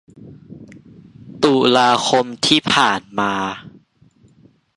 ตุลาคมที่ผ่านมา